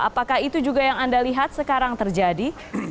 apakah itu juga yang anda lihat sekarang terjadi